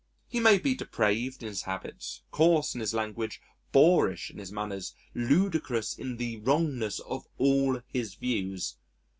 He may be depraved in his habits, coarse in his language, boorish in his manners, ludicrous in the wrongness of all his views.